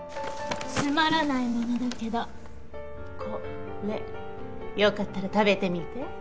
つまらないものだけどこれよかったら食べてみて